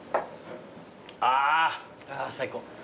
ああ最高。